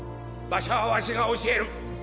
場所はワシが教える。